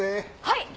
はい。